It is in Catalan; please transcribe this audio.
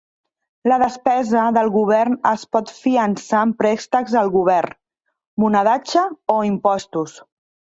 La despesa del govern es pot fiançar amb préstecs al govern, monedatge o impostos.